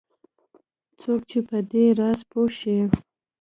څوک چې په دې راز پوه شي